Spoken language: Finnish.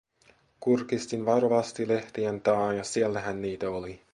Kurkistin varovasti lehtien taa, ja siellähän niitä oli.